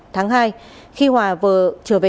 tháng hai khi hòa vừa trở về